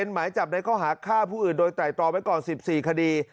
หมายจับในข้อหาฆ่าผู้อื่นโดยไตรตรองไว้ก่อน๑๔คดี